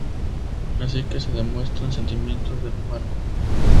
A Si que se demuestran sentimientos del humano.